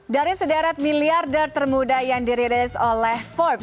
dari sederet miliarder termuda yang dirilis oleh forbes